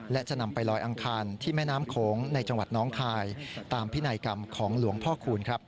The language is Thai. และจะนำไปลอยอังคารที่แม่น้ำโขงในจังหวัดน้องคายตามพินัยกรรมของหลวงพ่อคูณครับ